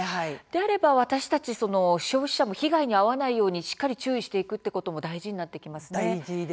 私たち消費者も被害に遭わないようにしっかり注意していくということも大事になってきますね。